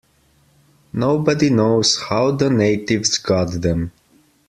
Nobody knows how the natives got them.